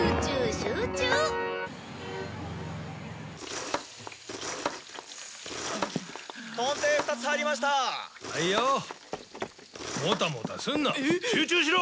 集中しろ！